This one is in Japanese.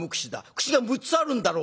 口が６つあるんだろう？